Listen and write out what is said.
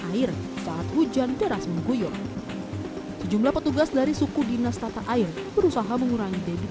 air saat hujan deras mengguyur sejumlah petugas dari suku dinas tata air berusaha mengurangi debit